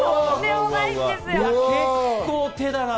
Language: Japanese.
結構、手だな。